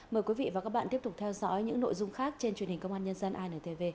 mời quý vị và các bạn tiếp tục theo dõi những nội dung khác trên truyền hình công an nhân dân intv